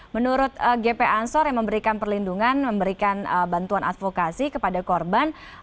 menurut gp ansor yang memberikan perlindungan memberikan bantuan advokasi kepada korban